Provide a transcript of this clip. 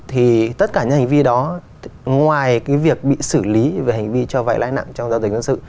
thì tất cả những hành vi đó ngoài cái việc bị xử lý về hành vi cho vay lãi nặng trong giao dịch dân sự